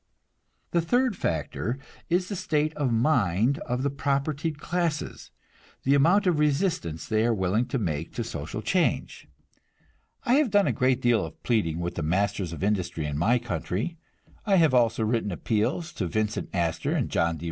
The third factor is the state of mind of the propertied classes, the amount of resistance they are willing to make to social change. I have done a great deal of pleading with the masters of industry in my country; I have written appeals to Vincent Astor and John D.